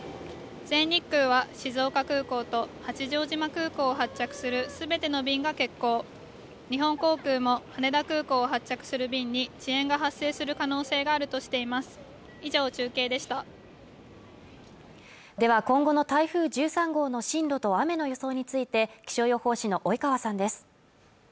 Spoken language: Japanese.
全日空は静岡空港と八丈島空港を発着するすべての便が欠航日本航空も羽田空港を発着する便に遅延が発生する可能性があるとしていますでは今後の台風１３号の進路と雨の予想について気象予報士の及川さんです